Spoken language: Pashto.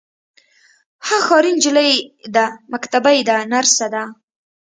هغه ښاري نجلۍ ده مکتبۍ ده نرسه ده.